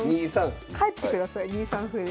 帰ってください２三歩で。